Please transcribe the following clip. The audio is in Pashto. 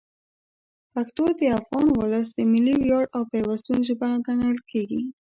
پښتو د افغان ولس د ملي ویاړ او پیوستون ژبه ګڼل کېږي.